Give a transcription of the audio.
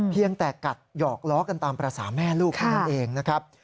เพียงแต่กัดหยอกล้อกันตามภาษาแม่ลูกเท่านั้นเองนะครับ